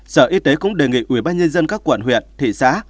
sở y tế cũng đề nghị ubnd các quận huyện thị xã